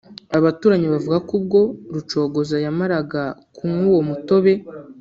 Abaturanyi bavuga ko ubwo Rucogoza yamaraga kunywa uwo mutobe